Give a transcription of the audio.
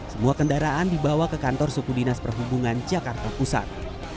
semua kendaraan dibawa ke kantor suku dinas perhubungan jakarta pusat